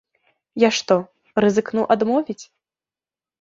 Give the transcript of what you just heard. Я што, рызыкну адмовіць?